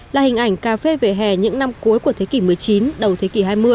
là hình ảnh cà phê về hè những năm cuối của thế kỷ một mươi chín đầu thế kỷ hai mươi